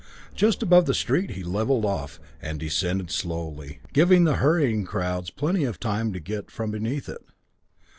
Just above the street, he leveled off, and descended slowly, giving the hurrying crowds plenty of time to get from beneath it.